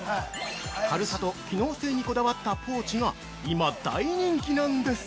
軽さと機能性にこだわったポーチが今、大人気なんです。